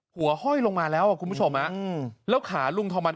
หัวห้อยลงมาแล้วอ่ะคุณผู้ชมอ่ะอืมแล้วขาลุงทองพันธุ์